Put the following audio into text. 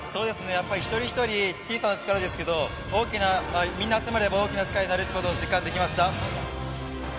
やっぱり一人一人小さな力ですけれども、大きな、みんな集まれば大きな力になるということを実感できました。